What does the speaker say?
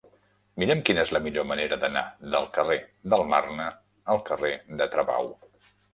Mira'm quina és la millor manera d'anar del carrer del Marne al carrer de Travau.